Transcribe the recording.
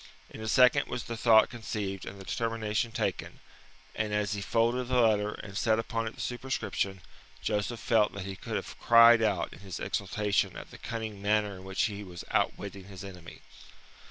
In a second was the thought conceived and the determination taken, and as he folded the letter and set upon it the superscription, Joseph felt that he could have cried out in his exultation at the cunning manner in which he was outwitting his enemy.